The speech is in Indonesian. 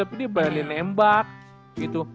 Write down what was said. tapi dia berani nembak gitu